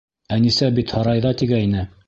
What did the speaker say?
Әнисә бит һарайҙа тигәйне.